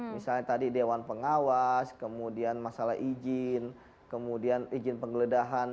misalnya tadi dewan pengawas kemudian masalah izin kemudian izin penggeledahan